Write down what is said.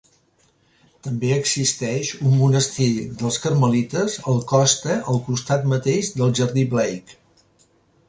També existeix un monestir dels Carmelites al costa al costat mateix del Jardí Blake.